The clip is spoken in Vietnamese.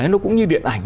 nó cũng như điện ảnh